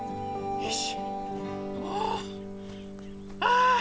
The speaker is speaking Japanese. よし！